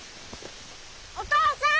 お父さん！